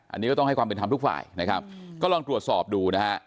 อันนี้ก็ต้องให้ความเป็นธรรมทุกฝ่ายนะครับก็ลองตรวจสอบดูนะฮะ